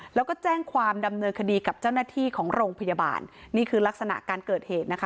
แล้วก็แจ้งความดำเนินคดีกับเจ้าหน้าที่ของโรงพยาบาลนี่คือลักษณะการเกิดเหตุนะคะ